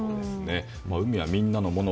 海はみんなのもの。